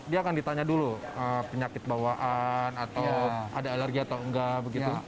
dia akan ditanya dulu penyakit bawaan atau ada alergi atau enggak begitu